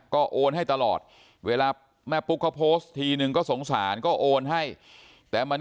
ก็โอนให้ตลอดเวลาแม่ปุ๊กเขาโพสต์ทีนึงก็สงสารก็โอนให้แต่มัน